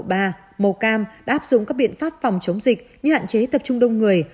màu cam đã áp dụng các biện pháp phòng chống dịch như hạn chế tập trung đông người